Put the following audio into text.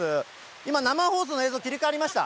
今、生放送の映像、切り替わりました？